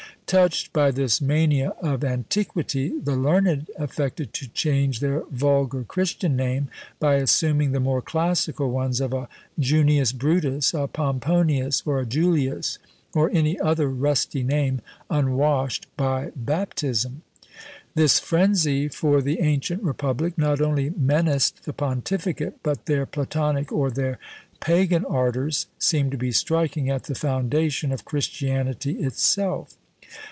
Touched by this mania of antiquity, the learned affected to change their vulgar Christian name, by assuming the more classical ones of a Junius Brutus, a Pomponius, or a Julius, or any other rusty name unwashed by baptism. This frenzy for the ancient republic not only menaced the pontificate, but their Platonic or their pagan ardours seemed to be striking at the foundation of Christianity itself.